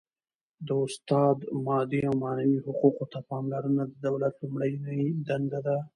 د استاد مادي او معنوي حقوقو ته پاملرنه د دولت لومړنۍ دنده ده.